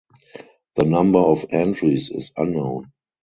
The number of entries is unknown.